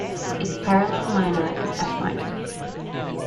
Its parallel minor is F minor.